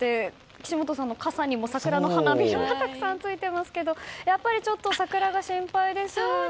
岸本さんの傘にも桜の花びらがたくさんついていますがやっぱり、ちょっと桜が心配です。